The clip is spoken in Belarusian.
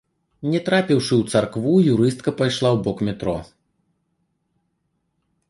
Не трапіўшы ў царкву, юрыстка пайшла ў бок метро.